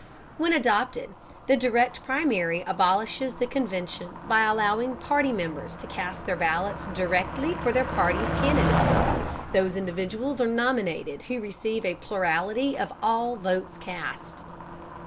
When adopted, the Direct Primary abolishes the convention by allowing party members to cast their ballots directly for their party's candidates. Those individuals are nominated who receive a plurality of all votes cast.